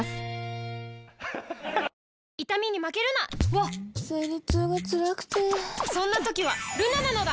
わっ生理痛がつらくてそんな時はルナなのだ！